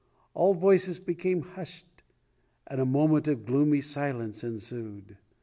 All voices became hushed and a moment of gloomy silence ensued.